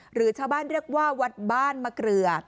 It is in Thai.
หรือชาวบ้านเรียกว่าวัดบ้านมะเกลือ